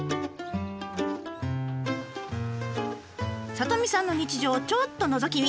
里美さんの日常をちょっとのぞき見。